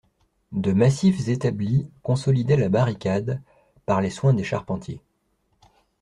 De massifs établis consolidaient la barricade, par les soins des charpentiers.